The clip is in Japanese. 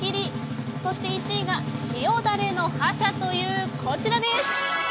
そして１位が塩ダレの覇者というこちら。